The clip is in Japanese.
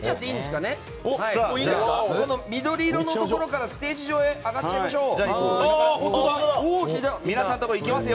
緑色のところからステージに上がっちゃいましょう。